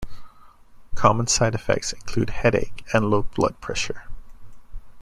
Common side effects include headache and low blood pressure.